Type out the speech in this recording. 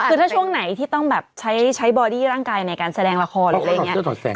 คือถ้าช่วงไหนที่ต้องแบบใช้บอดี้ร่างกายในการแสดงละครหรืออะไรอย่างนี้